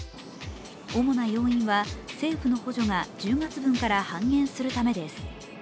主な要因は、政府の補助が１０月分から半減するためです。